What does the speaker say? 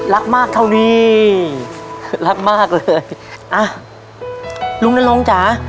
รักมากเท่านี้รักมากเลยอ่ะลุงนรงค์จ๋า